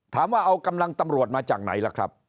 ถามว่าเอากำลังตำรวจมาจากไหนล่ะครับ